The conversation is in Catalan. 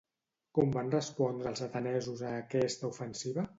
Com van respondre els atenesos a aquesta ofensiva?